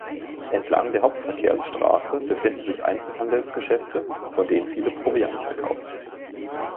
Entlang der Hauptverkehrsstraße befinden sich Einzelhandelsgeschäfte, von denen viele Proviant verkaufen.